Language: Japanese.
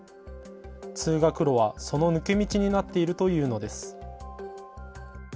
通学路はその抜け道になっているというのです。